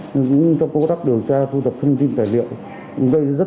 những trong công tác điều tra thu tập thông tin tài liệu